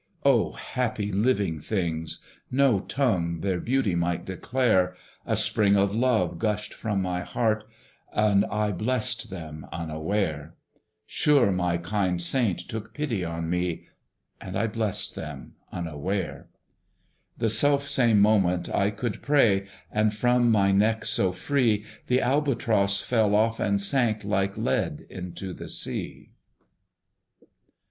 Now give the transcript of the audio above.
O happy living things! no tongue Their beauty might declare: A spring of love gushed from my heart, And I blessed them unaware: Sure my kind saint took pity on me, And I blessed them unaware. The self same moment I could pray; And from my neck so free The Albatross fell off, and sank Like lead into the sea.